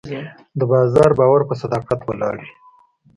د بازار باور په صداقت ولاړ وي.